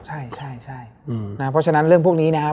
เพราะฉะนั้นเรื่องพวกนี้นะครับ